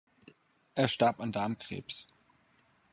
Er starb an Darmkrebs.